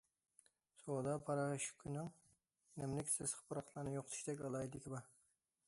سودا پاراشوكىنىڭ نەملىك، سېسىق پۇراقلارنى يوقىتىشتەك ئالاھىدىلىكى بار.